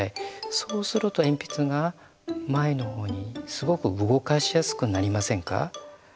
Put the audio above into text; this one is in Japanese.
そうすると鉛筆が前の方にすごく動かしやすくなりませんか？